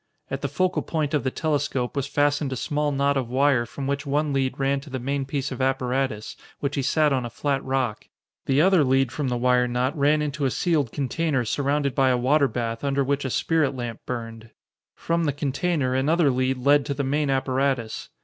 At the focal point of the telescope was fastened a small knot of wire from which one lead ran to the main piece of apparatus, which he sat on a flat rock. The other lead from the wire knot ran into a sealed container surrounded by a water bath under which a spirit lamp burned. From the container another lead led to the main apparatus.